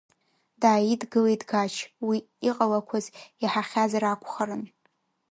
Дааидгылеит Гач, уи иҟалақәаз иаҳахьазар акәхарын.